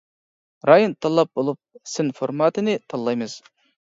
رايون تاللاپ بولۇپ سىن فورماتىنى تاللايمىز.